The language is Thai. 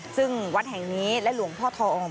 ซึ่งวัดแห่งนี้และหลวงพ่อทอง